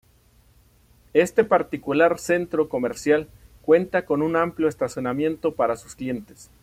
Este particular centro comercial cuenta con un amplio estacionamiento para sus clientes.